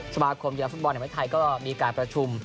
สมาคมกีฬาฟุตบอลแห่งประเทศไทยก็มีการประชุม